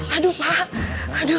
aduh pak aduh